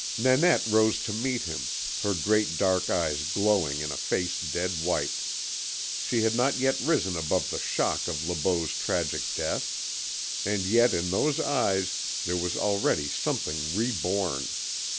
Nanette rose to meet him, her great dark eyes glowing in a face dead white. She had not yet risen above the shock of Le Beau's tragic death, and yet in those eyes there was already something re born.